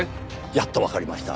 やっとわかりました。